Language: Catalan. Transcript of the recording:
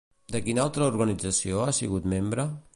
De quina altra organització ha sigut membre?